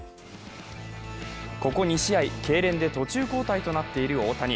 ここ２試合、痙攣で途中交代となっている大谷。